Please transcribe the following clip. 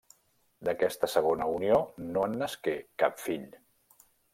D'aquesta segona unió no en nasqué cap fill.